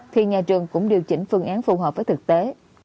thì nhà trường cũng điều chỉnh phương án phù hợp với thực tế